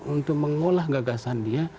untuk mengolah gagasan dia